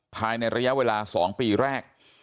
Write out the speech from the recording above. ภายในระยะเวลา๒ปีแรก